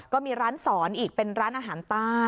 ก็มีร้านสอนอีกเป็นร้านอาหารใต้